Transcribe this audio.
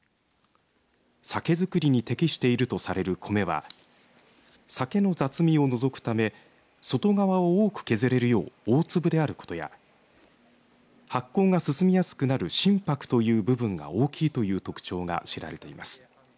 酒造りに適しているとされる米は酒の雑味を除くため外側を多く削れるよう大粒であることや発酵が進みやすくなる心白という部分が大きいという特徴が知られています。